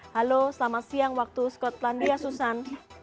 halo selamat siang waktu skotlandia susan